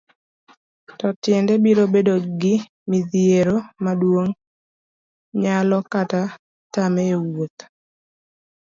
to tiende biro bedo gi midhiero maduong',nyalo kata tame e wuoth